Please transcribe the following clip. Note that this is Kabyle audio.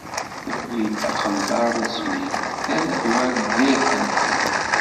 Tewwi-d aqenṭar n smid, terna-d wayeḍ d irden.